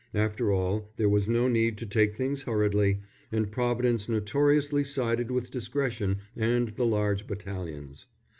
After all, there was no need to take things hurriedly, and Providence notoriously sided with discretion and the large battalions.